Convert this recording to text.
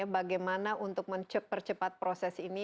bagaimana untuk mempercepat proses ini